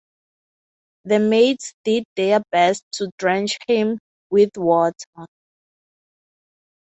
The maids did their best to drench him with water.